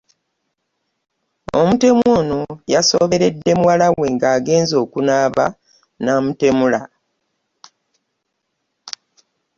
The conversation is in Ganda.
Omutemu ono yasooberedde muwala we ng'agenze okunaaba n'amutemula.